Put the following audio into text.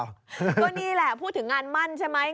ก็นี่แหละพูดถึงงานมั่นใช่ไหม